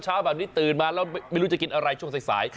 เช้าแบบนี้ตื่นมาแล้วไม่รู้จะกินอะไรช่วงสาย